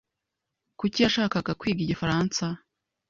Kuki yashakaga kwiga igifaransa?